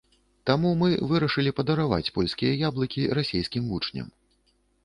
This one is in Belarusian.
Таму мы вырашылі падараваць польскія яблыкі расейскім вучням.